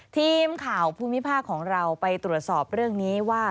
ทีมข่าวภูมิภาคของเราไปตรวจสอบเรื่องนี้ว่า